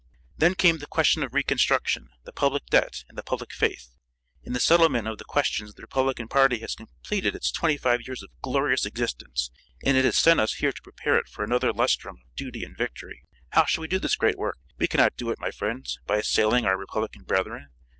"Then came the question of reconstruction, the public debt, and the public faith. In the settlement of the questions the Republican party has completed its twenty five years of glorious existence, and it has sent us here to prepare it for another lustrum of duty and victory. How shall we do this great work? We cannot do it, my friends, by assailing our Republican brethren.